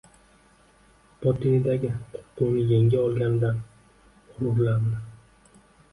botinidagi qo‘rquvni yenga olganidan g‘ururlandi.